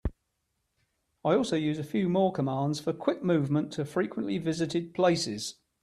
I also use a few more commands for quick movement to frequently visited places.